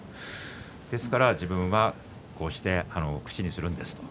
ですから自分はこうして口にするんですと。